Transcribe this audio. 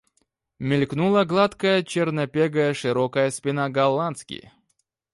Мелькнула гладкая, чернопегая, широкая спина Голландки.